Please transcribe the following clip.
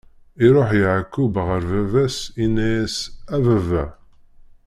Iṛuḥ Yeɛqub ɣer baba-s, inna-yas: A baba!